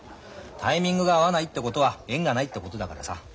タイミングが合わないってことは縁がないってことだからさ。